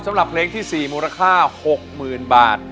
สำหรับเพลงที่๔มูลค่า๖๐๐๐บาท